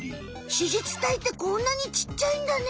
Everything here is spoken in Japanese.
子実体ってこんなにちっちゃいんだね。